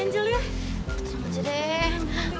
tuh hati hati angel ya